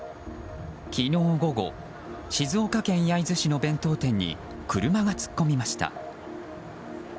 昨日午後静岡県焼津市の弁当店に車が突っ込みました。